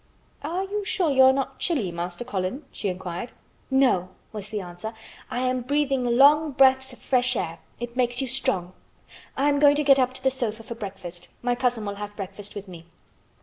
"Are you sure you are not chilly, Master Colin?" she inquired. "No," was the answer. "I am breathing long breaths of fresh air. It makes you strong. I am going to get up to the sofa for breakfast. My cousin will have breakfast with me."